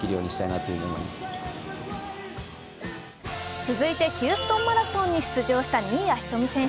続いて、ヒューストンマラソンに出場した新谷仁美選手。